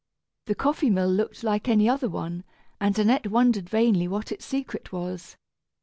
The coffee mill looked like any other one, and Annette wondered vainly what its secret was.